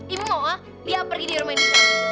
ibu mau gak lia pergi di rumah ini